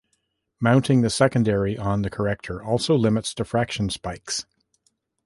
Mounting the secondary on the corrector also limits diffraction spikes.